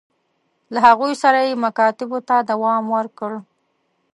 له هغوی سره یې مکاتبو ته دوام ورکړ.